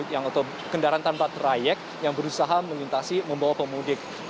atau kendaraan tanpa trayek yang berusaha melintasi membawa pemudik